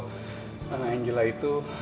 menurut saya kalau anak angela itu